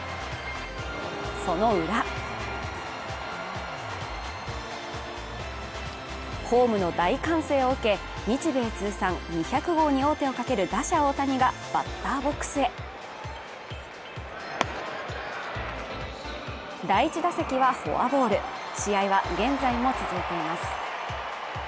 そのウラホームの大歓声を受け、日米通算２００号に王手をかける打者・大谷がバッターボックスへ第１打席はフォアボール試合は現在も続いています。